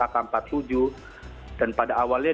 ak empat puluh tujuh dan pada awalnya